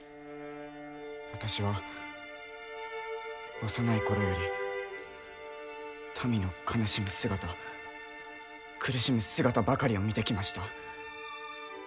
私は幼い頃より民の悲しむ姿苦しむ姿ばかりを見てきました。